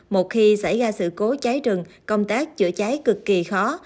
một khi xảy ra sự cố cháy rừng công tác chữa cháy cực kỳ khó